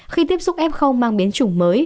khi tiếp xúc f mang biến chủng mới